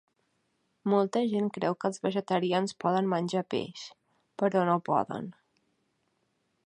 Molta gent creu que els vegetarians poden menjar peix, però no poden